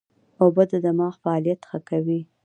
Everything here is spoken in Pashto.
اوبه د دماغ فعالیت ښه کوي